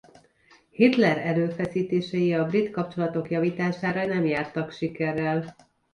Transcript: Hitler erőfeszítései a brit kapcsolatok javítására nem jártak sikerrel.